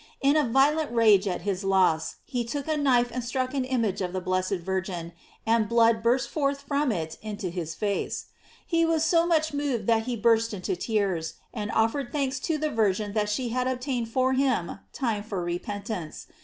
In a violent rage at his loss, he took a knife and struck an image of the blessed Virgin, and blood burst forth from it into his face. He was so much moved that he burst into tears, and offer ed thanks to the Virgin that she had obtained for him time for repentance.